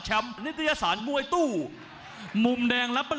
ก่อนที่ต้องถึงกับ๖บาท